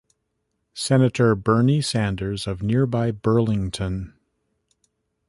Senator Bernie Sanders of nearby Burlington.